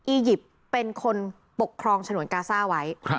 อยิปต์เป็นคนปกครองฉนวนกาซ่าไว้